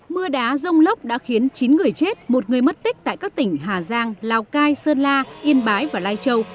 mưa đá rông lốc đã khiến chín người chết một người mất tích tại các tỉnh hà giang lào cai sơn la yên bái và lai châu